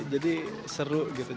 jadi seru gitu